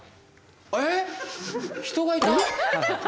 えっ⁉人がいた。